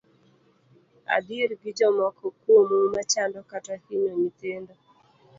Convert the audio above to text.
Adhier gi jomoko kuomu machando kata hinyo nyithindo.